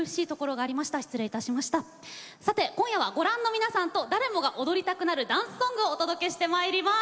今夜はご覧の皆様と誰もが踊りたくなるダンスソングをお届けします。